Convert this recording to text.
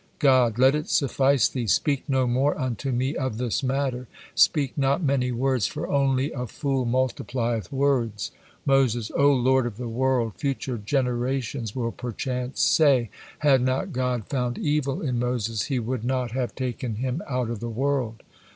God: "'Let it suffice thee; speak no more unto Me of this matter,' speak not many words, for only 'a fool multiplieth words.'" Moses: "O Lord of the world! Future generations will perchance say, 'Had not God found evil in Moses, He would not have taking him out of the world.'"